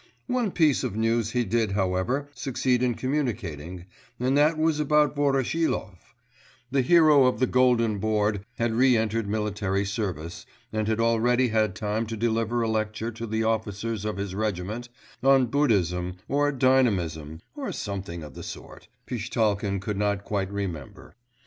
One piece of news he did, however, succeed in communicating, and that was about Voroshilov; the hero of the Golden Board had re entered military service, and had already had time to deliver a lecture to the officers of his regiment on Buddhism or Dynamism, or something of the sort Pishtchalkin could not quite remember.